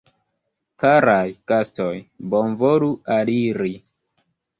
Karaj gastoj, bonvolu aliri!